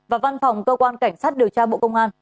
và văn phòng cơ quan cảnh sát điều tra bộ công an